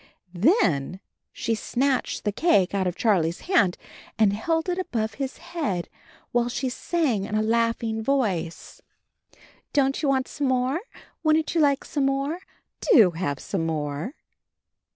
Then she snatched the cake out of Charlie's hand and held it above his head, while she sang in a laughing voice, "Don't 8 CHARLIE you want some more? Wouldn't you like some more? Do have some more."